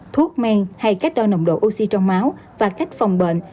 thuốc men hay cách đo nồng độ oxy trong máu và cách phòng bệnh